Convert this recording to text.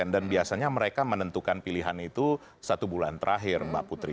dan biasanya mereka menentukan pilihan itu satu bulan terakhir mbak putri